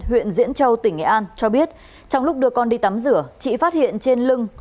huyện diễn châu tỉnh nghệ an cho biết trong lúc đưa con đi tắm rửa chị phát hiện trên lưng